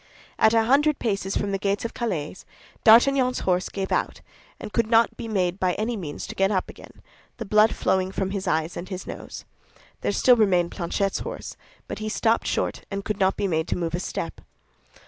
At a hundred paces from the gates of Calais, D'Artagnan's horse gave out, and could not by any means be made to get up again, the blood flowing from his eyes and his nose. There still remained Planchet's horse; but he stopped short, and could not be made to move a step.